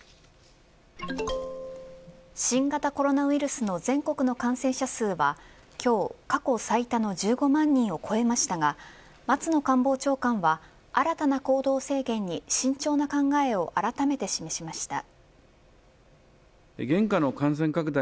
新型コロナウイルスの全国の感染者数は今日、過去最多の１５万人を超えましたが松野官房長官は新たな行動制限に慎重な考えをあらためて示しました。